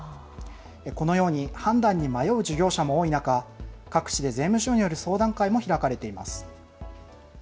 このように判断に迷う事業者も多い中、各地で税務署による相談会も開かれています。